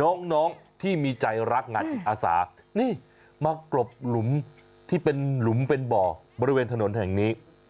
น้องที่มีใจรักงานจิตอาสานี่มากรบหลุมที่เป็นหลุมเป็นบ่อบริเวณถนนแห่งนี้